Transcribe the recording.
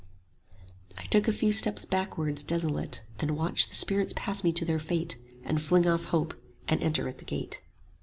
I stood a few steps backwards, desolate; 40 And watched the spirits pass me to their fate, And fling off hope, and enter at the gate.